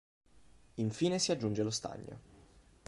Infine si aggiunge lo stagno.